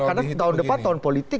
karena tahun depan tahun politik